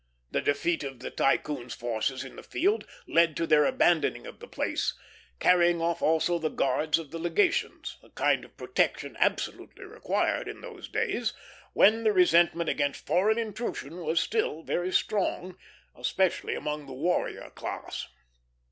The defeat of the Tycoon's forces in the field led to their abandoning the place, carrying off also the guards of the legations; a kind of protection absolutely required in those days, when the resentment against foreign intrusion was still very strong, especially among the warrior class.